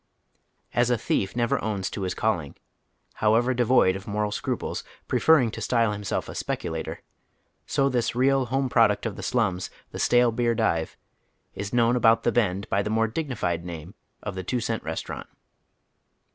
As a thief never owns to his calling, however devoid of moi al scruples, preferring to style himself a speculator, so this real home pi odnct of the shuns, the stale beer dive, is known about " the Bend " by the more dignified name of the two cent I'estaurant.